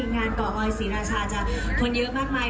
งานเกาะออยศรีราชาจะคนเยอะมากมาย